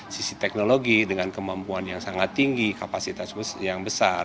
sisi teknologi dengan kemampuan yang sangat tinggi kapasitas yang besar